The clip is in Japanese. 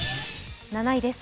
７位です。